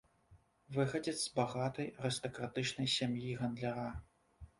Выхадзец з багатай арыстакратычнай сям'і гандляра.